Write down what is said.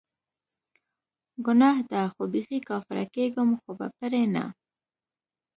ګناه ده خو بیخي کافره کیږم خو به پری نه